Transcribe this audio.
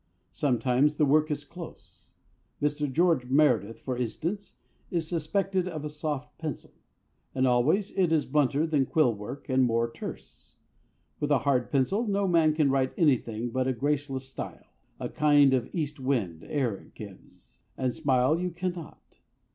Sometimes the work is close Mr. George Meredith, for instance, is suspected of a soft pencil and always it is blunter than quill work and more terse. With a hard pencil no man can write anything but a graceless style a kind of east wind air it gives and smile you cannot.